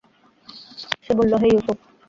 সে বলল, হে ইউসুফ!